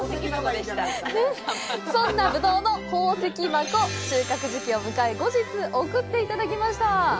そんな、ぶどうの宝石箱、収穫時期を迎え後日送っていただきました。